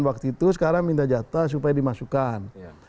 waktu itu sekarang minta jatah supaya dimasukkan